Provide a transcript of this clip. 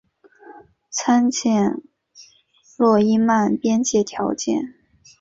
参见诺伊曼边界条件。